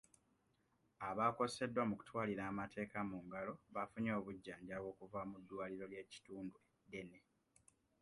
Abakoseddwa mu kutwalira amateeka mu ngalo baafunye obujjanjabi okuva mu ddwaliro ly'ekitundu eddene.